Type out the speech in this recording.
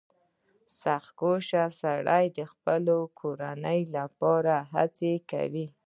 • سختکوش سړی د خپلې کورنۍ لپاره هڅه کوي.